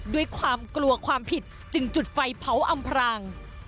ด้วยความกลัวความผิดจึงจุดไฟเผาอำพราง